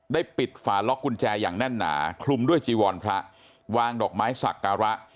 ปิดฝาล็อกกุญแจอย่างแน่นหนาคลุมด้วยจีวรพระวางดอกไม้สักการะ